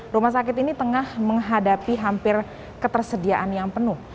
rumah sakit ini tengah menghadapi hampir ketersediaan yang penuh